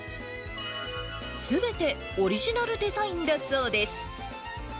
すべてオリジナルデザインだそうです。